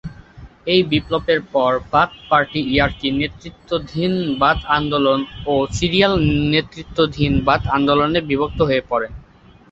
এই বিপ্লবের পর বাথ পার্টি ইরাকি-নেতৃত্বাধীন বাথ আন্দোলন ও সিরিয়ান-নেতৃত্বাধীন বাথ আন্দোলনে বিভক্ত হয়ে পড়ে।